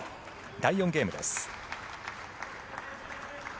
第４ゲームです。